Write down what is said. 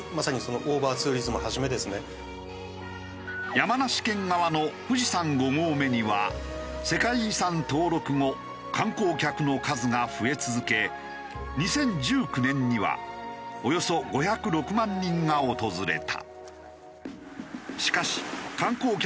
山梨県側の富士山５合目には世界遺産登録後観光客の数が増え続け２０１９年にはおよそ５０６万人が訪れた。